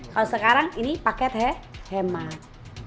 kalau sekarang ini paket hemat